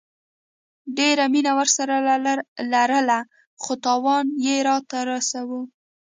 ډيره مينه ورسره لرله خو تاوان يي راته رسوو